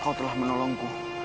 kau telah menolongku